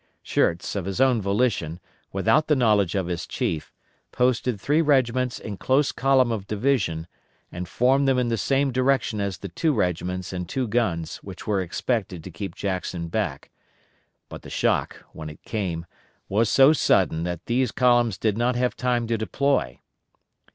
Schurz, of his own volition, without the knowledge of his chief, posted three regiments in close column of division, and formed them in the same direction as the two regiments and two guns which were expected to keep Jackson back, but the shock, when it came, was so sudden that these columns did not have time to deploy.